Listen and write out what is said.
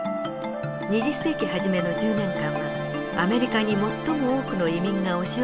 ２０世紀初めの１０年間はアメリカに最も多くの移民が押し寄せた時期でした。